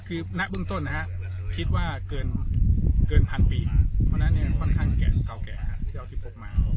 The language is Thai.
คือนักบึงต้นคิดว่าเกินพันปีเพราะฉะนั้นค่อนข้างเก่าแก่ที่เอาที่ปกมา